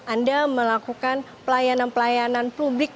anda melakukan pelayanan pelayanan publik